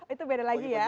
itu beda lagi ya